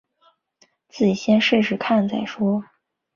自己先试试看再说